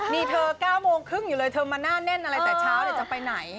นี่เธอ๙โมงครึ่งอยู่เลยเธอมาหน้าแน่นอะไรแต่เช้าจะไปไหน